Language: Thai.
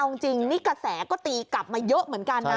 เอาจริงนี่กระแสก็ตีกลับมาเยอะเหมือนกันนะ